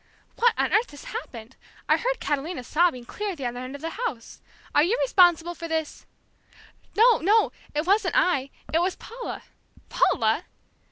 "What on earth has happened? I heard Catalina sobbing, clear at the other end of the house. Are you responsible for this?" "No, no, it wasn't I; it was Paula." "Paula!"